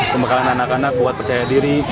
pembekalan anak anak buat percaya diri